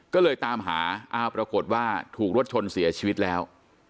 ก็เลยตามหาอ้าวปรากฏว่าถูกรถชนเสียชีวิตแล้ว